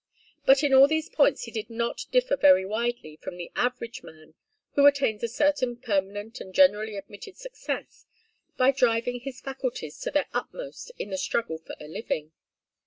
But in all these points he did not differ very widely from the average man who attains to a certain permanent and generally admitted success by driving his faculties to their utmost in the struggle for a living.